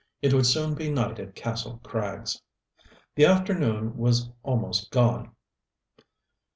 It would soon be night at Kastle Krags. The afternoon was almost gone.